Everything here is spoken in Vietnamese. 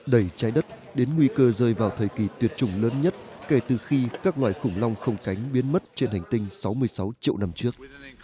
đẩy trái đất đến nguy cơ rơi vào thời kỳ tuyệt chủng lớn nhất kể từ khi các loài khủng long không cánh biến mất trên hành tinh sáu mươi sáu triệu năm trước